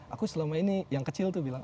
aku selama ini yang kecil tuh bilang